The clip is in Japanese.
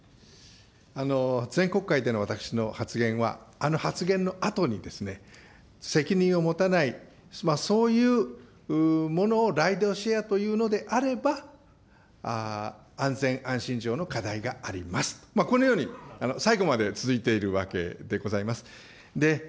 前国会での私の発言は、あの発言のあとに、責任を持たない、そういうものをライドシェアというのであれば、安全安心上の課題があります、このように最後まで続いているわけでございます。